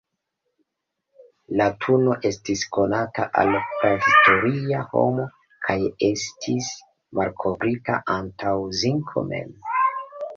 Latuno estis konata al prahistoria homo, kaj estis malkovrita antaŭ zinko mem.